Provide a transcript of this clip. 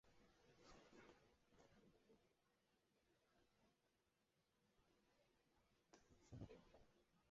加告兹语维基是采用加告兹语拉丁字母版。